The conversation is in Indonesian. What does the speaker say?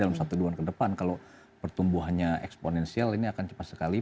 karena dalam satu dua tahun ke depan kalau pertumbuhannya eksponensial ini akan cepat sekali